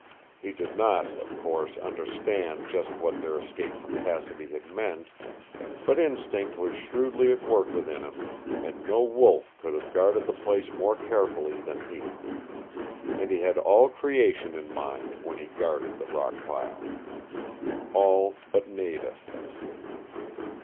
He did not, of course, understand just what their escape from Cassidy had meant, but instinct was shrewdly at work within him, and no wolf could have guarded the place more carefully than he. And he had all creation in mind when he guarded the rock pile. All but Nada.